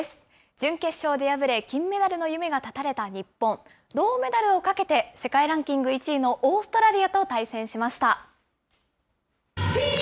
準決勝で敗れ、金メダルの夢が絶たれた日本、銅メダルをかけて世界ランキング１位のオーストラリアと対戦しました。